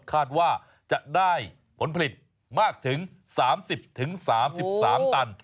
คาดว่าจะได้ผลผลิตมากถึง๓๐๓๓ตัน